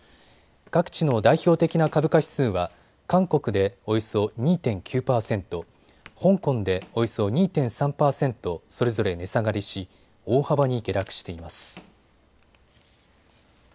各地の代表的な株価指数は韓国でおよそ２．９％、香港でおよそ２．３％それぞれ値下がりし大幅に下落しています。